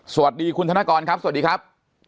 สวัสดีคุณธนกรครับสวัสดีครับ